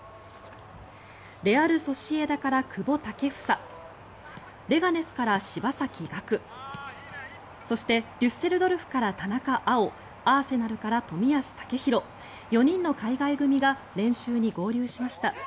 レアル・ソシエダから久保建英レガネスから柴崎岳そして、デュッセルドルフから田中碧アーセナルから冨安健洋４人の海外組が練習に合流しました。